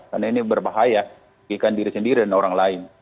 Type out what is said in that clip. karena ini berbahaya bagikan diri sendiri dan orang lain